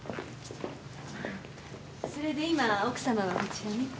それで今奥様はこちらに？